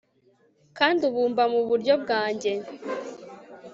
kandi ubumba muburyo bwanjye